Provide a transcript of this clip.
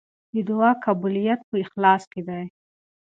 د دعا قبولیت په اخلاص کې دی.